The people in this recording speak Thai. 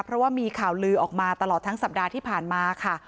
เพราะว่ามีข่าวลือออกมาตลอดทั้งสัปดาห์ที่ผ่านมาค่ะ